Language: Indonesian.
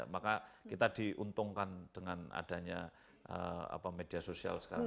maka kita diuntungkan dengan adanya media sosial sekarang